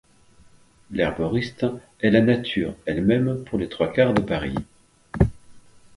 L’herboriste est la nature elle-même pour les trois quarts de Paris.